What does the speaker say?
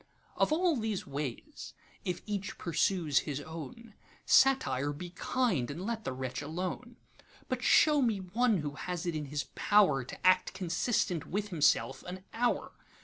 Of all these ways, if each pursues his own, Satire, be kind, and let the wretch alone; But show me one who has it in his powerTo act consistent with himself an hour.